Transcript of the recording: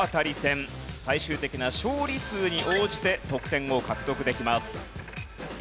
最終的な勝利数に応じて得点を獲得できます。